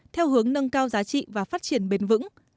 theo hướng nâng cao giá trị và phát triển bền vững